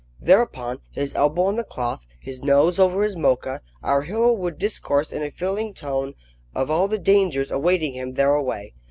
Thereupon, his elbow on the cloth, his nose over his Mocha, our hero would discourse in a feeling tone of all the dangers awaiting him thereaway.